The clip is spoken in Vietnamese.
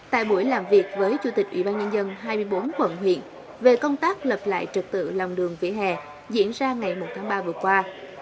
tại buổi làm việc với chủ tịch ủy ban nhân dân hai mươi bốn quận huyện về công tác lập lại trật tự lòng đường vỉa hè diễn ra ngày một tháng ba vừa qua